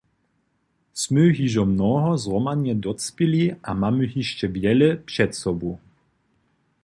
Smy hižo mnoho zhromadnje docpěli a mamy hišće wjele před sobu.